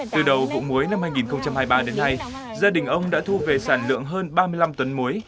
từ đầu vụ muối năm hai nghìn hai mươi ba đến nay gia đình ông đã thu về sản lượng hơn ba mươi năm tấn muối